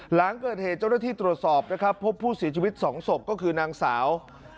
หลังเกิดเหตุเจ้าหน้าที่ตรวจสอบนะครับพบผู้เสียชีวิต๒ศพก็คือนางสาว